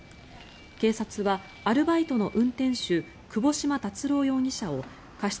警察はアルバイトの運転手窪島達郎容疑者を過失